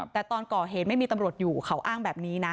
แต่ตอนก่อเหตุไม่มีตำรวจอยู่เขาอ้างแบบนี้นะ